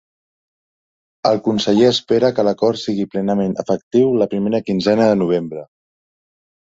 El conseller espera que l’acord sigui plenament efectiu la primera quinzena de novembre.